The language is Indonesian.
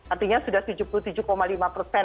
artinya sudah tujuh puluh tujuh lima persen